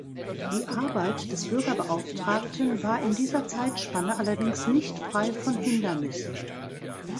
Die Arbeit des Bürgerbeauftragten war in dieser Zeitspanne allerdings nicht frei von Hindernissen.